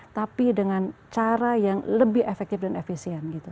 tapi dengan cara yang lebih efektif dan efisien gitu